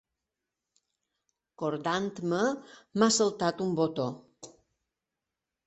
Cordant-me, m'ha saltat un botó.